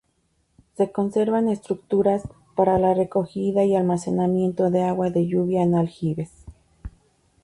Se conservan estructuras para la recogida y almacenamiento de agua de lluvia en aljibes.